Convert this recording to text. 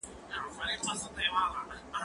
زه سیر کړی دی؟